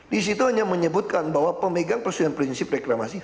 disitu hanya menyebutkan bahwa pemegang persediaan prinsip reklamasi